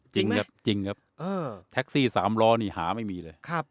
จริงไหมจริงครับเออแท็กซี่สามล้อนี่หาไม่มีเลยครับ